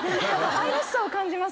愛らしさを感じます。